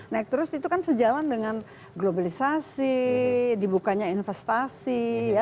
naik terus itu kan sejalan dengan globalisasi dibukanya investasi